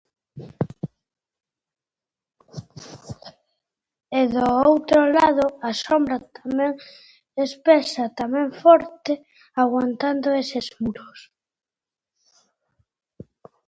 E do outro lado, a sombra, tamén espesa, tamén forte, aguantando eses muros.